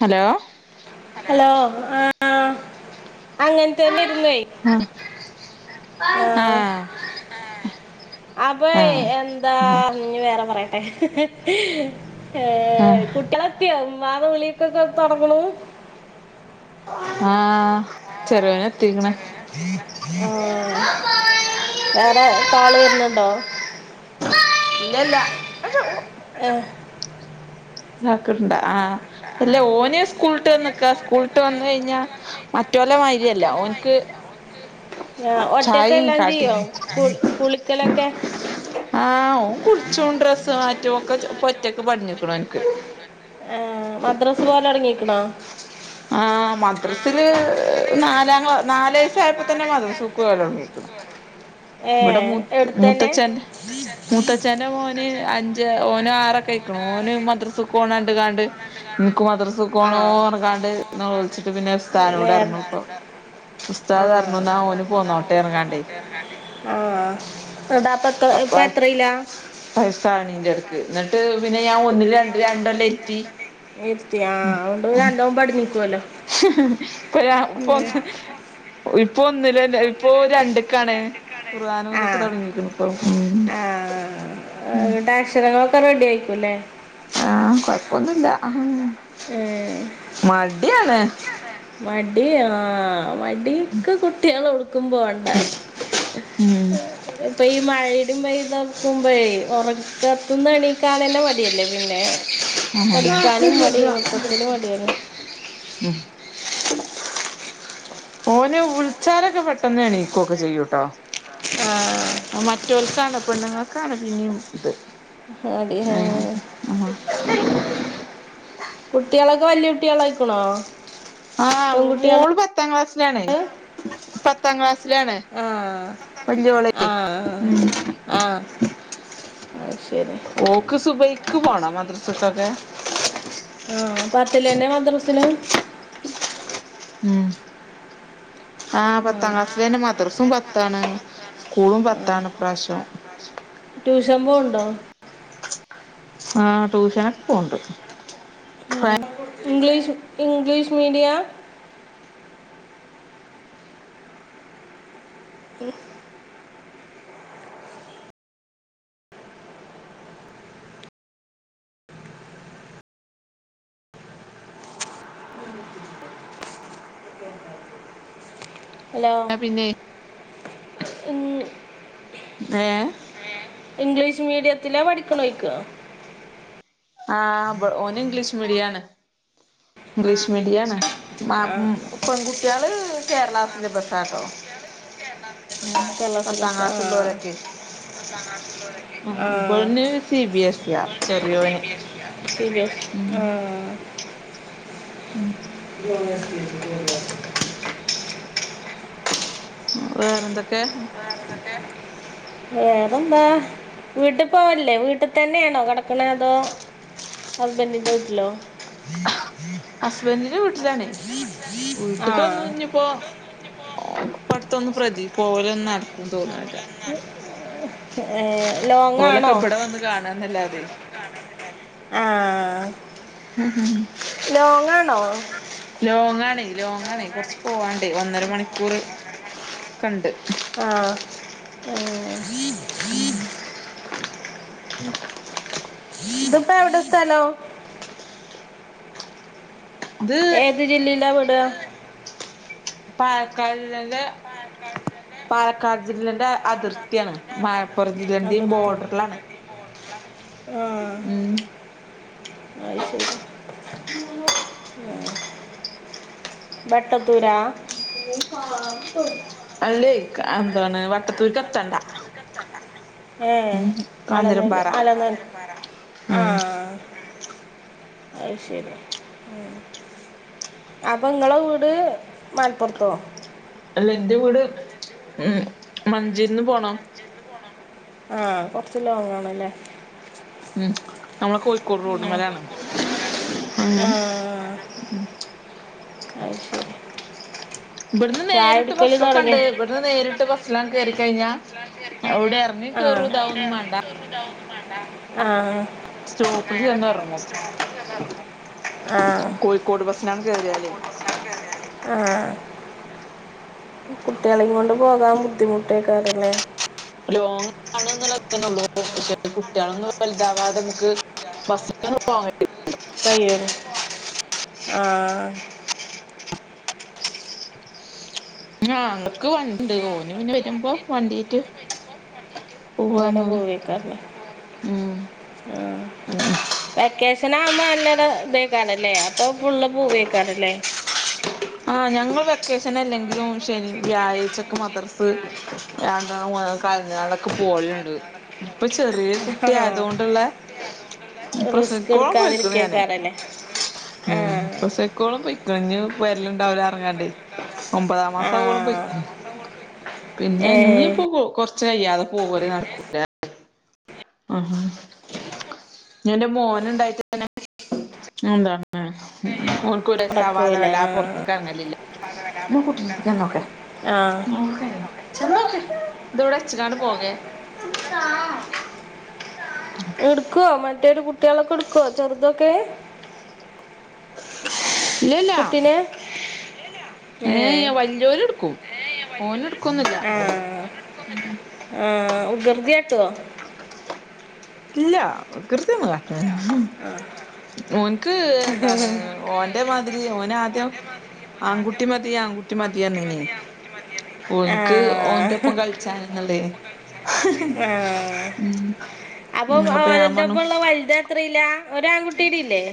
Hello? Hello ആ അങ്ങനത്തന്നെ ഇരുന്നേ. ആഹ് ആഹ് അപ്പ എന്താ ഞ്ഞി വേറെ പറയട്ടെ. ഏഹ് ആഹ് കുട്ടികള് എത്തിയോ ഉമ്മ വിളിയോക്കൊ തുടങ്ങുണു. ആഹ് ചെറിയോൻ എത്തിക്ക്‌ണ്. ആഹ് വേറെ കാള് വര്ണ് ണ്ടോ? ഇല്ലല്ല ആഹ് ള്ളാക്കിട്ടുണ്ടാ ആഹ് അല്ലെ ഓന് സ്കൂളിട്ട് വന്ന്ക്കാ സ്കൂളിട്ട് വന്ന കഴിഞ്ഞാ മറ്റൊല്ല മാരിയല്ല ഓന്ക്ക്. ആഹ് ഒറ്റക്കെല്ലാം കടി ചെയ്യോ കുളിക്കലൊക്കെ? ആഹ് കുളിച്ചും ഡ്രസ് മാറ്റും ഒക്കെ ഒറ്റക്ക് പടിഞ്ഞക്ക്‌ണ് ഓനിക്ക്. ഏഹ് മദ്രസ പോല് തുടങ്ങിക്കണോ? ആ മദ്രസില് നാലാം ക്ലാ നാല് വയസ്സായപ്പോ തന്നെ മദ്രസക്കു പോകൽ തുടങ്ങീക്ക്‌ണ്. ഇവിടെ ഏഹ് മൂ എടുത്തന്നെ മൂത്തച്ചൻ മൂത്തച്ചന്റെ മോൻ- ഓന് അഞ്ച് ഓന് ആറൊക്കെ അയ്ക്കുണ് ഓന് മദ്രസക്ക്‌ പോണണ്ട് കാണ്ട്. നിക്ക് ആ മദ്രസക്കൊണോ പറഞ്ഞ്ങ്ങാണ്ട് നോലോലിച്ചിട്ട് പിന്നെ ഉസ്താദ് നോട്‌ നേർ പറഞ്ഞു ഇപ്പൊ. ആ ഉസ്താദ് പറഞ്ഞ് ന്നാ ഓന് പോന്നോട്ടേ പറഞ്ഞുങ്ങാണ്ടേ. ആഹ എതാപ്പ എത്ര ഇപ്പ എത്രയില. വയസ്സാണീന്റെ എടക്ക്‌ ഇന്നട്ട് പിന്നെ ഞാൻ ഒന്നിൽ രണ്ട് രണ്ട് കൊല്ലാം ഇരുത്തി ഇരുത്തി അതോണ്ട് നല്ലോം പടിഞ്ഞി കൊല്ലോ ഇപ്പ ഞ ഇപ്പൊന്ന് ഇപ്പ ഒന്ന് ലന്നെ ഇപ്പൊ രണ്ട്ക്കാണ് കുർആനും ആ ഇതൊക്കെ തുടങ്ങീക്ക്ണ് ഇപ്പം ഉം ങ്ങട്ട് അക്ഷരങ്ങളൊക്കെ റെഡി യായിക്കുല്ലേ ആഹ് കൊഴപ്പൊന്നുല്ല ആഹ് ഏഹ് മടിയാണ് മടി ആഹ് മടിക്ക്‌ കുട്ടിയാള് ഒട്ക്കും പോണ്ട ഉം ഇപ്പോ ഈ മഴ ടീം പെയ്താക്കുമ്പോഴേ ഉറക്കത്ത് ന്ന്ണീക്കാ നന്നെ മടിയല്ലേ പിന്നെ പഠിക്കാനും മടി മൊത്തത്തില് മടിയാണ് ഉം ഓനെ വിളിച്ചാലൊക്കെ പെട്ടെന്നണീക്കൊ ക്കെ ചെയ്യൂട്ടോ ആഹ് റ്റോൽക്കാണ് പെണ്ണുങ്ങൾക്കാണ് പിന്നിം ഇത് ആഹ് ആഹ് കുട്ടിയാളൊക്കെ വല്യ കുട്ടിയാളായിക്ക്‌ണോ ആഹ് മോള് പത്താം ക്ലാസ്സിലാണേ പത്താം ക്ലാസ്സിലാണ് ആഹ് വല്ല്യയോളെ ആഹ് മ് അഹ്ശരി സുബൈയ്ക്ക് പോണം മദ്രസ്കൊക്കെ ആഹ് പത്തിലെന്നെ മദ്രസ്സ് ലും ഉം ആഹ് പത്താം ക്ലാസ്സിലെന്നെ മദ്രസും പത്താണ് സ്കൂളും ആഹ് പത്താണ് ഇപ്രാശ്യം ട്യൂഷൻ പോവ്ണ്ടോ ആഹ് ട്യൂഷനൊക്കെ പോവ്ണ്ട് മ് ഇംഗ്ലീഷ് ഇംഗ്ലീഷ് മീഡിയാ ഉം ഹലോ ട്ടാ പിന്നെ ഏഹ് ഇംഗ്ലീഷ് മീഡിയത്തില പഠിക്ക്ണോയ്ക്ക ആഹ് ബ് ഓന് ഇംഗ്ലീഷ് മീഡിയാണ് ഇംഗ്ലീഷ് മീഡിയാണ് മാർ ആഹ് ഉം പെൺകുട്ടിയാള് കേരള സിലബസാ ട്ടോ കേരള സിലബസ്സാ ആഹ് ക്ലാസ്സുള്ളോരൊക്കെ പത്താം ക്ലാസ് ള്ളോ ആ ലൊക്കെ ആഹ് ഇബന് സി ബി എസ് ആ പെണ്ണ് അയിന് സി ചെറിയോന് ബി എ സി യാ സിബിഎസ് ആഹ് ഉം [unintelligible] വേറെ എന്തൊക്കെ വെറെ എന്തൊക്കെ വേറെന്താ വീട്ട്പോവല്ലേ വീട്ട്തന്നെയാണോ കെടക്ക്ണേ അതോ ഹസ്ബൻഡിന്റെ വീട്ട്ലോ ഹസ്ബൻഡ്ന്റെ വീട്ടിലാണേ ആഹ് വീട്ട്ക്കൊന്നും ഞ്ഞ്പ്പോ ഇപ്പടുത്തൊന്നു പ്രതി പോവലൊന്നു നട പോ വലൊന്നും നടക്കൂല്ല ഏഹ് ലോങ്ങാണോ കാണാനല്ലാതെ ആഹ് ഹും ഹും ലോങ്ങാണോ ലോങ്ങ് ആണേ ലോങ്ങ് ആണേ കൊറച്ച് പോവാണ്ടേ ഒന്നര മണിക്കൂർ ക്കണ്ട് ആഹ് ഏഹ് ഉം ദ്പ്പ എവിടെ സ്ഥലോം ത് ത് ജില്ലേല്ലാ പെടാ പാലക്കാട്ല്ലല്ലന്റെ പാലക്കാട് ജില്ലന്റെ അതിർ ത്തിയാണ് മലപ്പുറം ജില്ലന്റെം ബോർഡർലാണ് ആഹ് [inaudible] അയ് ശരി [inaudible] ആഹ് ബട്ടത്തൂരാ [inaudible] അല്ലേ എന്താണ് വട്ടത്തൂർക്കെത്തണ്ട ഏഹ് അലന്നല്ല കാഞ്ഞിരംപാറ അലന്നൾ ഉം ആഹ് അയിശരി ഉം അപ്പൊ ങ്ങളെ വീട് മലപ്പുറത്തോ അല്ല ന്റെ വീട് ഉം മഞ്ചേരിന്ന് പോണം ആഹ് കൊറച്ച് ലോങ്ങണല്ലേ ഉം നമ്മളെ കോഴ് ക്കോട്റോഡ്മ്മലാണ് അങ്ങ മ്മ് അയ്ശരി ഇബട്ന്ന് നേരിട്ട് ബസ്സൊക്കണ്ട് ഇബ അത് നേരിട്ട് ബസ്സിലാം കയരി കഴിഞ്ഞാ അവിടെഇറക് ആഹ് ആഹ് സ്റ്റോപ്പിൽ ചെന്ന് ഇറങ്ങും [unintelligible] കോഴിക്കോട് ബസ്സിന കേറിയാലേ ആഹ് കുട്ടിയാലൈ കൊണ്ട് പോകാൻ ബുദ്ധിമുടെക്കാറല്ലേ ലോങ്ങാണ് എന്നുള്ള തന്നെള്ളൂ പക്ഷെ കുട്ടികളൊന്നും വലുതാവാതെ നമുക്ക് [unintelligible] [unintelligible] ആഹ് ആഹ് ങ്ങൾക്ക് വണ്ടിണ്ട് ഓന് പിന്നെ വരുമ്പോ വണ്ടീറ്റ് അങ്ങനെ പോവന്നല്ലേ പോവേക്കാറല്ലേ ഉം ആ ഉ വെക്കേഷൻ ആകുമ്പോ നല്ലട ഇത് കേക്കാറല്ലേ അപ്പൊ ഫുള്ള് പൂവേക്കാറല്ലേ ആഹ് ഞങ്ങൾ വെക്കേഷൻ അല്ലെങ്കിലും ശനി വ്യാഴ്ചക്കെ മദർസ് രണ്ടാ മൂന്ന കലഞ്ഞാണ്ടൊക്കെ പോവലുണ്ട് ഇപ്പൊ ചെറിയ കുട്ടിയതുകൊണ്ടുള്ള റിസ്ക് പ്രെസയ്ക്കോളാം പൊയ്ക്കുന് ഞാന് എടുക്കാതിരിക്കേക്കാറല്ലേ ആ ക്കോളം പോയിക്കഴിഞ്ഞു വരലുണ്ടാവല പറങ്ങാണ്ട് ഒമ്പതാം ആ മാസ ആക്കോലം പോയിക്ക്ണ് പിന്നെ ഏ ഇനിയിപ്പോ പോക്ക് കൊരച് ച്ച് കയ്യാതെ പോകല് നടക്കൂല ആഹ ഹ് എന്റെ മോന ഉണ്ടായിട്ട് തന്നെ എന്താണ് [unintelligible] നടക്കൂല വെല്ലാതെ പൊർത്ത്ക്ക് എർങ്ങലില്ല [unintelligible] നോക്ക് ആ ആ ക്കെ ഇതോടെ അച്ചക്കാണ്ട് പോകെ എടുക്കുവോ മറ്റൊരു കുട്ടികളൊക്കെ എടുക്കുവോ ചെറുതൊക്കെ കുട്ടിനെ ഏഹ് വലിയൊരു ഇട്ക്കും ഓന് ഇട്ക്കാെന്നില്ല ആഹ് ഉകൃർതി കാട്ടോ ഇല്ല വൃകൃതി ഒന്നും കാട്ടുല ഓൻക്ക് എന്താണ് ഓൻ എന്റെ മാതിരി ഒന് ആദ്യം ആൺകുട്ടി മതി ആൺകുട്ടി മതി പറഞ്ഞിനി ആ ഓനിക്ക് ഓൻറ ഒപ്പം കളിച്ചൻന്നല്ലേ ആഹ് ഉം അപ്പൊ ഞാൻ അപ്പൊന്റെ ഒപ്പ പറഞ്ഞു ഉള്ള വലുതിനോ അത്രല്ല ഒരാ ആൺകുട്ടീട ഇല്ലേ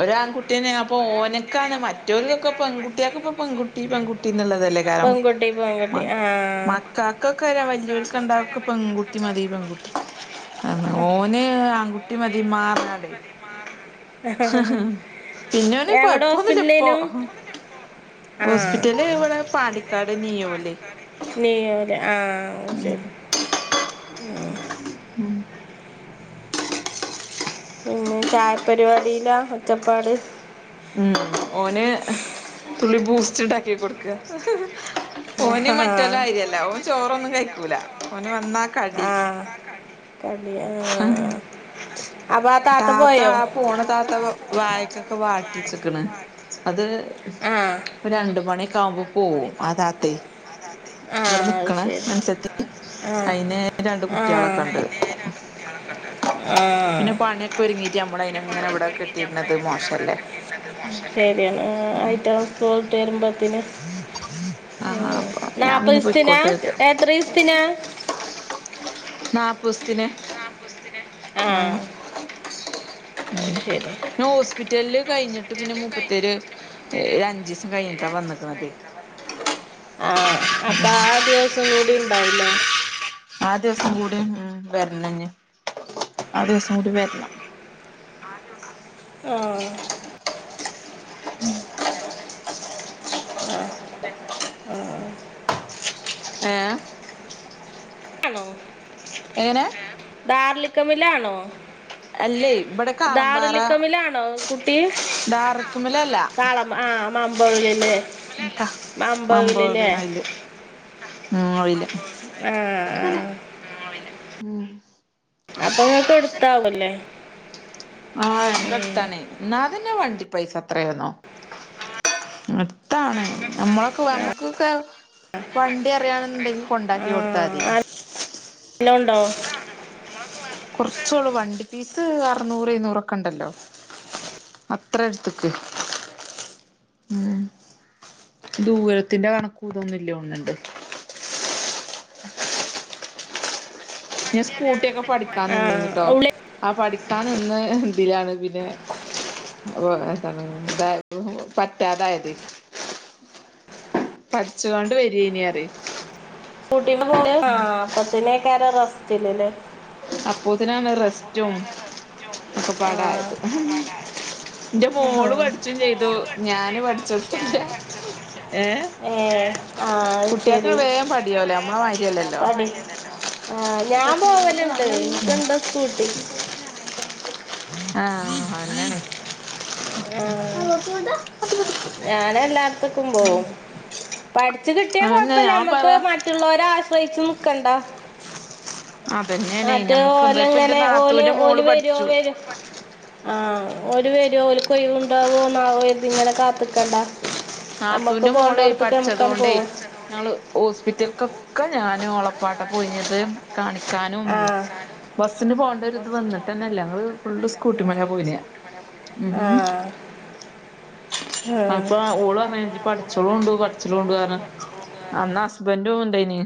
ഒരു ആൺകുട്ടിയനെ അപ്പൊ ഓനക്കാണ് മറ്റവർക്കൊക്കെ പെൺകുട്ടിയക്ക ഇപ്പ പെൺുട്ടി പെൺകുട്ടി ന്നുള്ളതല്ലേ കാരണം പെൺകുട്ടി പെൺകുട്ടി മ ആ മ [unintelligible] കാക്കൊക്കെ വരാ വല്യാല്ക്ക് രണ്ടാക്കും പെൺകുട്ടി മതി പെൺകുട്ടി ഓന് ആൺകുട്ടി മതി മ്മാ പറഞ്ഞ് പിന്നെ ഓന് എവിടെ കുഴപ്പൊന്നുമില്ല ഇപ്പൊ ഹോസ്പിറ്റലേനു ആ ഹോസ്പിറ്റല് ഇവിടെ പാണ്ടിക്കാട് നിയോയിൽ നിയോയില് ആഹ് അഅ് ശരി ഉം പിന്നെ ചായ പരിപാടിയിലാ ഒച്ചപ്പാട് ഉം ഓന് തുള്ളി പൂസ്റ്റ് ഇണ്ടാക്കി കൊടുക്ക ഓന് ആ മറ്റല്ലോ കാര്യമില്ല ഓന് ചോറൊന്നും കഴിക്കൂല ഓന് വന്നാ കടി ആഹ് കടി കടിന്നെ മാണം ആഹ് താ ത പോയോ പോണ താത പറഞ്ഞു വായക്കൊക്കെ വാട്ടിച്ചെക്കണ് അത് ആഹ് ഒരു രണ്ട് മണിയൊക്കെ ആകുമ്പോ പോകും അതാത്തെ ആഹ് ഇവിടെ അത് നിക്കണ ശരി [unintelligible] ആഹ് അയിന് രണ്ട് കുട്ടികളൊക്കെ ഉണ്ട് [unintelligible] ആഹ് പിന്നെ [inaudible] പണിയൊക്കെ ഒരുങ്ങിട്ട് നമ്മള അയിനങ്ങനെ ഇവിടെ കെട്ടിയിരുന്നത് മോശല്ലേ ശേരിയാണ് ആഹ് അയ്റ്റള് സ്കൂള് വിട്ടു വെര്മ്പോത്ത്ന് ആഹ് അപ്പോ അതെ നാപ്പത് ഇസ്തിനാ എത്ര ഇസ്തിനാ നാപ്പോസ്ത്ത്ന് ആഹ് അത് ഉം ശരി ഹോസ്പിറ്റല്ല് കയിഞ്ഞിട്ട് പിന്നെ മുപ്പത്തേര് അഞ്ച് ഇവസം കയിഞ്ഞിട്ടാ വന്നിക്ക്ണത് ആഹ് അപ്പൊ ആഹ് ദിവസം കൂടി ഇണ്ടാവു അല്ലേ ആഹ് ദിവസം കൂടി ഉം വെരണം ഇഞ് ആഹ് ദിവസം കൂടി വെരണം ആഹ് ആഹ് ആഹ് ഏഹ് ഹലോ എങ്ങനെ ധാർലിക്ക്മിലാണോ അല്ലേ എങ്ങനാ ഇവിടെ കാളമ്പാറ ധാറുല്ലികമിലാണോ കുട്ടി അല്ലേയ് ഇവ്ടെ ഡാർക്കുമിലല്ല കാളമ്പാറ കാളം ആ [unintelligible] ലേ ക [unintelligible] അയ്ല് ഉം അയ്ല് ആ എല്ല ആ. ഉം അപ്പൊ ങ്ങക്ക് എട്ത്താവുല്ലേ ആ ഞമ്മക്ക് അട്ത്താണെയ് ന്നാലെന്നെ വണ്ടി പൈസ അത്രേന്നോ അട്ത്താണ് നമ്മളൊക്കെ ആ ഞമ്മക്കൊക്കെ വണ്ടി അറിയണാന്ന്ണ്ടെങ്കി കൊണ്ടാക്കി കൊട്ത്താതി ല്ലോം ണ്ടോ കൊർച്ചൊള്ളു വണ്ടി പീസ് അറ്നൂറ് എഴ്നൂറൊക്കെ ണ്ടല്ലോ അത്ര എട്ത്ത്ക്ക് ഉം ദൂരത്തിന്റെ കണക്കൂ ഇതൊന്നും ഇല്യോൺണ്ണ്ട് ഞാൻ സ്കൂട്ടിക്കെ പഠിക്കാൻ നിന്നീന്നുട്ടോ ആ ഉള്ളി ആ പഠിക്കാ ന്ന്ന് തിലാണ് പിന്നെ വൊ എത്താണ് പറ്റാതായത് പഠിച്ചോണ്ട് വേരേയ്നറയ് സ്കൂട്ടിമ്മെ പോവേ ആ അപ്പത്തിനയ് ക്കാരം റെസ്റ്റില് ലേ അപ്പോത്തിനാണ് റെസ്റ്റും ഒക്കെ ആ പാടായത് ന്റെ മോള് ഉം. പഠിച്ചും ചെയ്തു ഞാന് പഠിച്ച്ട്ടും ല്ല്യ ഏ ആ അത് ശരി കുട്ട്യാക്ക്ങ്ണ്ട് വേഗം പഠിയോല ഞമ്മളേ മാരി അല്ലല്ലോ പണി. ആ ഞാൻ പോവലുണ്ട് എനിക്കുണ്ട് സ്കൂട്ടി [unintelligible] ആ അങ്ങനെ ഞാന ല്ലാട്ത്ത്ക്കും പോവും പഠിച്ച് കിട്ടിയാ അതന്നെ കൊഴപ്പല്ലാ ഞാൻ ഞമ്മക്ക് പറയാ മ റ്റുള്ളവരെ ആശ്രയിച്ച് നിക്കണ്ടാ അതന്നെയാണ് മറ്റേ ഞമ്മക്ക് ഓല എന്താ ഇപ്പ എന്റെ ങ്ങനെ ഓല് നാത്തൂന്റെ ഓല് മോള് വെരോ പഠിച്ചു വെരോ ആ ഓല് വെരോ ഓൽക്കൊയ്ണ്ടാവോന്നാവോര്തി ങ്ങനെ കാത്ത്ക്കണ്ടാ അമ്മക്ക് നാത്തൂന്റെ മോളെ പോണ്ടോട്ത്ത്ക്ക് അമ്മക്കാണ്ട് പഠിച്ചതോണ്ടേ പോവാ ഞങ്ങള് ഹോസ്പിറ്റല്ക്കൊക്കെ ഞാനും ഓളപ്പാട്ട പോയ്നത് കാണിക്കാനും ആ ബസ്സിന് പോകേണ്ട ഒര്ത് വന്നിട്ടന്നെ ല്ല ഞങ്ങള് ഫുള്ള് സ്കൂട്ടിമലാ പോയിന് ഉം ആ ഉം. അപ്പ ഓള് പർഞ് ജ് പട്ച്ചൊളൂണ്ടു പട്ച്ചൊളോണ്ടു ർഞ് അന്ന് ഹസ്ബൻ്റും ണ്ടായ്ന്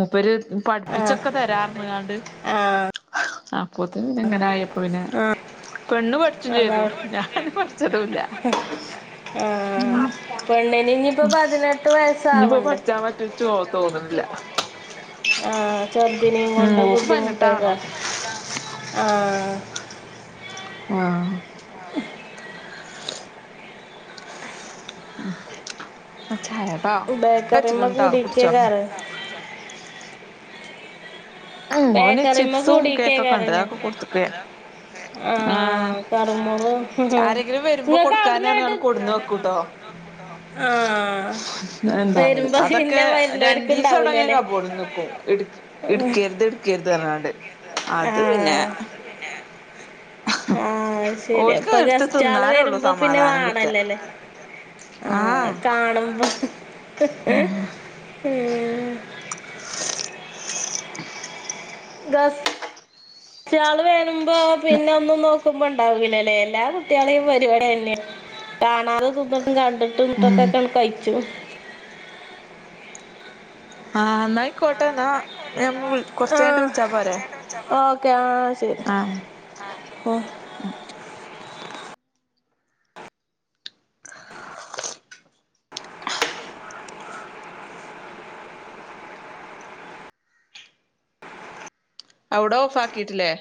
മൂപ്പര് ആ പഠിപ്പിച്ചൊക്കെ തരാർഞ് കാണ്ട് ആ അപ് അപ്പത്ത്ന് അങ്ങാനായപ്പോ പിന്നെ ആ പെണ്ണ് പഠിച്ചും ചെയ്തു അതാണ് ഞാന് പഠിച്ചതുംല്യ ആ പെണ്ണിന് ഞ്ഞിപ്പോ പതിനെട്ട് വയസ്സാവണ്ടേ ക്കാൻ പറ്റു ച്ച് തോന്ന് തോന്ന്ന്നില്ല ആ ചെർദിനിം കൊണ്ട് ബുദ്ധിമുട്ടേക്കാ പതിനെട്ടാവണം ആ ആഹ് ഉം ചായട്ടാ ബേക്കറിമ്മ വെച്ച്ക്ണ് ട്ടോ കുട്ച്ചോ കൂടിക്കേക്കാരം ഓന് ബേക്കറിമ്മ ചിപ്സും കേക്കൊക്കെ ഉണ്ട് കൂടിക്കെയ്ക്കാരല്ലേ അതൊക്കെ കൊടുത്ത്ക്ക് ആ ആഹ് കറ്മുറു ആരെങ്കിലും വരുമ്പോ ങ്ങക്ക് കൊടുക്കാന് അവ്ട്ന്ന്ങ്ങ്ട്ട് പറഞ്ഞ്കാണ്ട് കൊടുന്ന് വെക്കൂട്ടോ ആഹ് എന്താണ് വരുമ്പോ അതൊക്കെ പിന്നെ വരുന്നവർക്ക് രണ്ടീസം അഒടെങ്ങനെ ഉണ്ടാവൂലല്ലേ കബോർഡ് ന്ന്ക്കും ഇട് ഇട്ക്കര്ത് ക്കര്ത്ർഞ്ഞാണ്ട് അത് പിന്നെ ആഹ് ആഹ് അഹ് ശെരി ഓൽക്ക് പ്പ എടുത്ത് ഗസ്റ്റ് ആള് തിന്നാലേ ഉള്ളൂ വരുമ്പോ പിന്നെ സമാധാനം കിട്ടാ വാണല്ലേല്ലേ? ആഹ് കാണുമ്പോ ഗസ് റ്റാൾ വരുമ്പോ പിന്നെ ഒന്നും നോ മ്പ ഉണ്ടാവുലലേ എല്ലാ കുട്ട്യളിം പരിപാടി അതന്നെ കാണാതെ തിന്നുട്ടും കണ്ട് ഉം തിന്ന്ട്ടൊക്കെക്കെ കഴ്ച്ചും ആഹ് ന്നായിക്കോട്ടെ ന്നാ ഞാ കൊർച്ച് കഴിഞ്ഞിട്ട് ആഹ് വിളിച്ചാ പോരേ? ഓക്കെ ആഹ് ശരി ആഹ് അഒടെ ഓഫാക്കിയിട്ടില്ലേ?